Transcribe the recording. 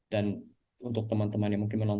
dan untuk teman teman yang mungkin tidak tahu